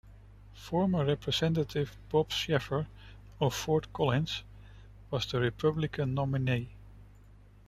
Former Representative Bob Schaffer of Fort Collins was the Republican nominee.